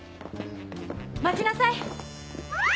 ・待ちなさい！